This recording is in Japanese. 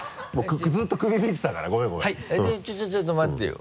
でちょっと待ってよ。